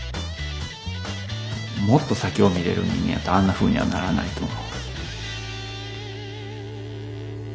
もっと先を見れる人間やったらあんなふうにはならないと思う。